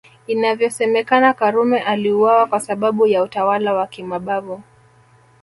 Inavyosemekana Karume aliuawa kwa sababu ya utawala wa kimabavu